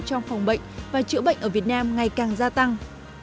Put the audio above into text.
trong phòng bệnh và chữa bệnh ở việt nam ngày càng gia tăng